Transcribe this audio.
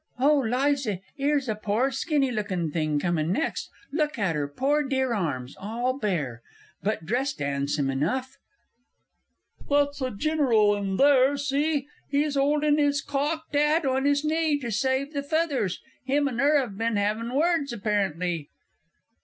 Oh, Liza, 'ere's a pore skinny lookin' thing coming next look at 'er pore dear arms, all bare! But dressed 'andsome enough .... That's a Gineral in there, see? He's 'olding his cocked 'at on his knee to save the feathers him and her have been 'aving words, apparently....